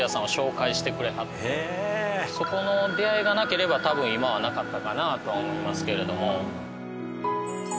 そこの出会いがなければ多分今はなかったかなとは思いますけれども。